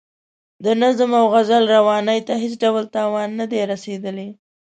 د نظم او غزل روانۍ ته هېڅ ډول تاوان نه دی رسیدلی.